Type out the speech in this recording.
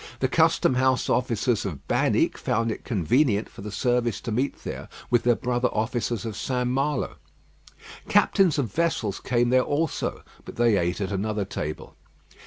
The custom house officers of Binic found it convenient for the service to meet there with their brother officers of St. Malo. Captains of vessels came there also; but they ate at another table.